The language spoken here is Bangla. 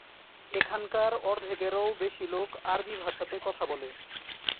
এখানকার অর্ধেকেরও বেশি লোক আরবি ভাষাতে কথা বলেন।